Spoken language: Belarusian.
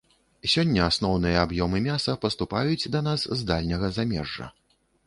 Сёння асноўныя аб'ёмы мяса паступаюць да нас з дальняга замежжа.